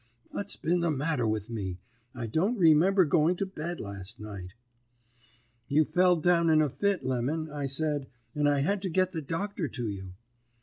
What's been the matter with me? I don't remember going to bed last night.' "'You fell down in a fit, Lemon,' I said, 'and I had to get the doctor to you.'